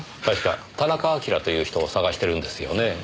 確か田中晶という人を捜してるんですよね？